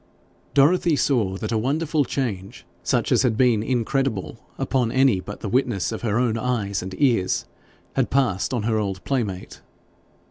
Dorothy saw that a wonderful change, such as had been incredible upon any but the witness of her own eyes and ears, had passed on her old playmate.